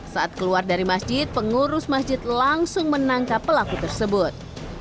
saat keluar dari masjid pengurus masjid langsung menangkap pelaku tersebut